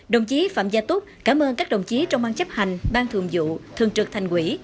đồng chí phạm gia túc cảm ơn các đồng chí trong ban chấp hành ban thường vụ thường trực thành quỹ